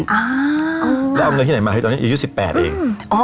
แล้วเอาเงินที่ไหนมาให้ตอนนี้อายุ๑๘เอง